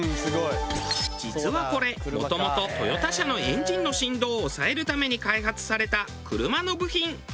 実はこれもともとトヨタ社のエンジンの振動を抑えるために開発された車の部品。